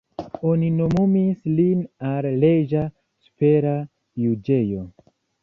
Oni nomumis lin al reĝa supera juĝejo.